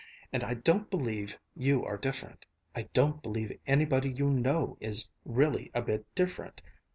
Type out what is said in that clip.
And I don't believe you are different. I don't believe anybody you know is really a bit different!